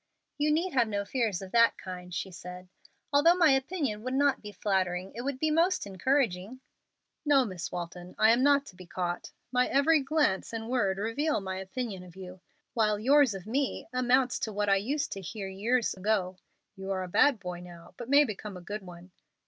"You need have no fears of that kind," she said; "although my opinion would not be flattering it would be most encouraging." "No, Miss Walton, I am not to be caught. My every glance and word reveal my opinion of you, while yours of me amounts to what I used to hear years ago: 'You are a bad boy now, but may become a good one.'